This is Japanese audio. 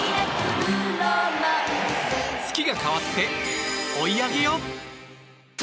月が変わって、追い上げよ！